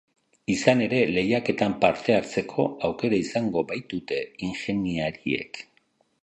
Izan ere, lehiaketan parte hartzeko aukera izango baitute ingeniariek.